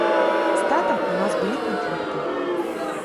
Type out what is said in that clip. З татам у нас былі канфлікты.